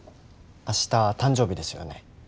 明日誕生日ですよね。